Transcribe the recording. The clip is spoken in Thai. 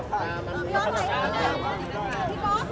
พี่กำลังจ่ายให้ขอบคุณครับ